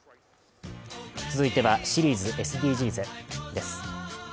続いては、「シリーズＳＤＧｓ」です。